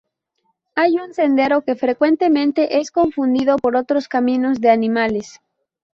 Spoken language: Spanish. Hay un sendero que frecuentemente es confundido por otros caminos de animales.